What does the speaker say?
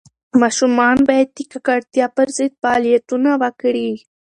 ماشومان باید د ککړتیا پر ضد فعالیتونه وکړي.